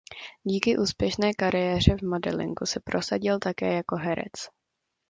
Díky úspěšné kariéře v modelingu se prosadil také jako herec.